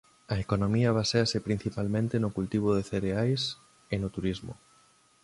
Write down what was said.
A economía baséase principalmente no cultivo de cereais e no turismo.